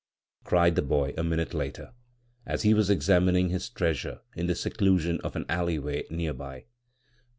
cried the boy a minute later, as he was examining his treasure in the seclusion of an alleyway near by.